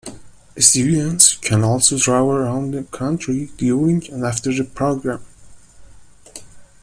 Students can also travel around the country during and after the program.